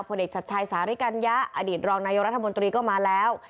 เอกชัดชัยสาริกัญญะอดีตรองนายกรัฐมนตรีก็มาแล้ว